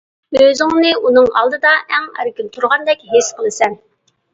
ئۆزۈڭنى ئۇنىڭ ئالدىدا ئەڭ ئەركىن تۇرغاندەك ھېس قىلىسەن!